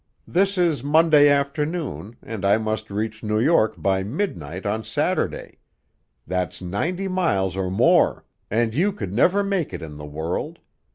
This is Monday afternoon, and I must reach New York by midnight on Saturday; that's ninety miles or more, and you never could make it in the world.